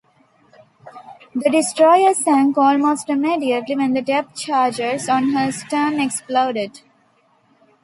The destroyer sank almost immediately when the depth charges on her stern exploded.